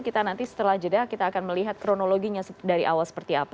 kita nanti setelah jeda kita akan melihat kronologinya dari awal seperti apa